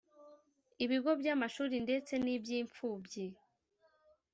ibigo by’amashuri ndetse n’iby’impfubyi